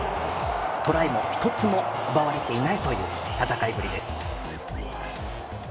トライも一つも奪われていないという戦いぶりです。